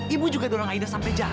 ibu juga dorong aida sampai jatuh kok